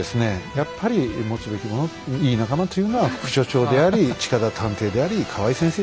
やっぱり持つべきものいい仲間というのは副所長であり近田探偵であり河合先生であります。